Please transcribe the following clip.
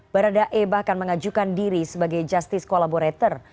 barada e bahkan mengajukan diri sebagai justice collaborator